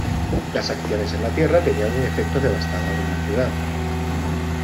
Las acciones en la tierra tenían un efecto devastador en la ciudad.